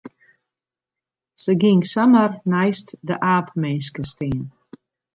Se gyng samar neist de aapminske stean.